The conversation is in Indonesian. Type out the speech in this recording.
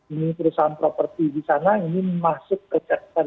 ini perusahaan property di sana ini masuk ke chapter lima belas ya